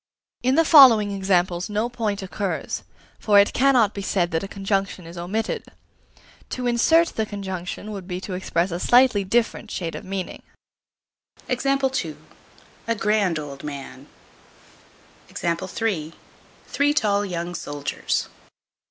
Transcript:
In the following examples no point occurs; for it cannot be said that a conjunction is omitted. To insert the conjunction would be to express a slightly different shade of meaning: A grand old man. Three tall young soldiers.